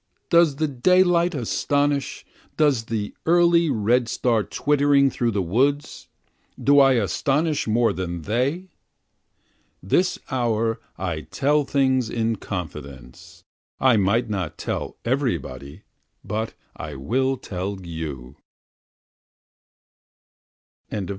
Does the daylight astonish? does the early redstart twittering through the woods? Do I astonish more than they? This hour I tell things in confidence, I might not tell everybody, but I will tell you.